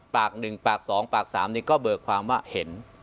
ปากหนึ่งปากสองปากสามนี้ก็เบิกความว่าเห็น